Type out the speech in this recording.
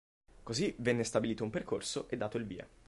Così venne stabilito un percorso e dato il via.